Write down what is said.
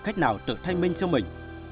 cách nào tự thanh minh cho mình